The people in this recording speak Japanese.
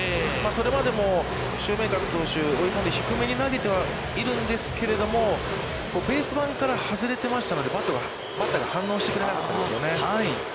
それまでも、シューメーカー投手、追い込んで低めに投げてはいるんですけれども、ベース板から外れてましたので、バッターが反応してくれなかったですよね。